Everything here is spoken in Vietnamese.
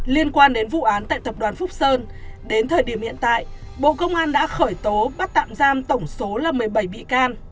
liên quan đến vụ án tại tập đoàn phúc sơn đến thời điểm hiện tại bộ công an đã khởi tố bắt tạm giam tổng số là một mươi bảy bị can